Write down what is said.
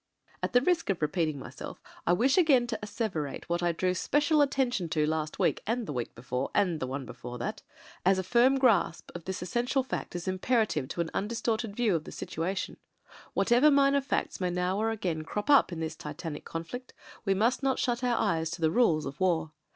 At the risk of repeating myself, I wish again to i€ € BLACK, WHITE, AND— GREY 279 asseverate what I drew especial attention to last week, and the week before, and the one before that; as a firm grasp of this essential fact is imperative to an un distorted view of the situation. Whatever minor facts may now or again crop up in this titanic conflict, we must not shut our eyes to the rules of war.